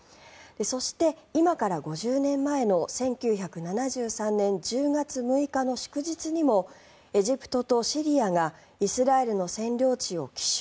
そして今から５０年前の１９７３年１０月６日の祝日にもエジプトとシリアがイスラエルの占領地を奇襲。